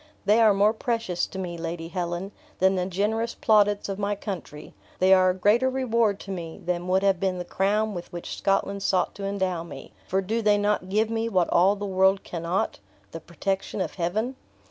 They are more precious to me, Lady Helen, than the generous plaudits of my country; they are a greater reward to me than would have been the crown with which Scotland sought to endow me, for do they not give me what all the world cannot the protection of Heaven?"